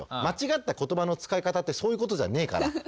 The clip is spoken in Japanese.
間違った言葉の使い方ってそういうことじゃねえから。